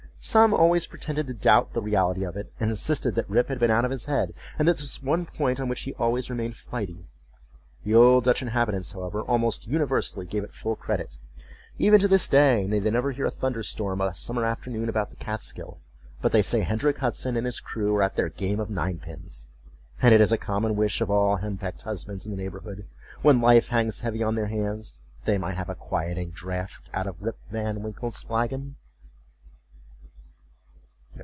Some always pretended to doubt the reality of it, and insisted that Rip had been out of his head, and that this was one point on which he always remained flighty. The old Dutch inhabitants, however, almost universally gave it full credit. Even to this day they never hear a thunderstorm of a summer afternoon about the Kaatskill, but they say Hendrick Hudson and his crew are at their game of nine pins; and it is a common wish of all hen pecked husbands in the neighborhood, when life hangs heavy on their hands, that they might have a quieting draught out of Rip Van Winkle's flagon.